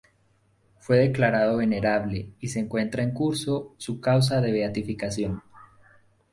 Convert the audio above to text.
Fue declarado venerable y se encuentra en curso su causa de beatificación.